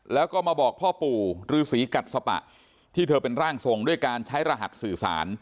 แล้วก็มาบอกพ่อปู่ฤษีกัดสปะที่เธอเป็นร่างทรงด้วยการใช้รหัสสื่อสาร